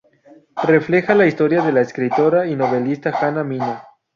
Refleja la historia de la escritora y novelista Hanna Mina.